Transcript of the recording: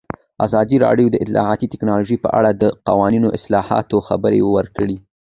ازادي راډیو د اطلاعاتی تکنالوژي په اړه د قانوني اصلاحاتو خبر ورکړی.